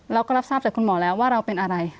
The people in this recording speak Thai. เราก็รับทราบจากคุณหมอแล้วว่าเราเป็นอะไร